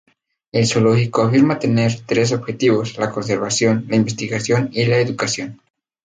El Zoológico afirma tener tres objetivos: la conservación, la investigación y la educación.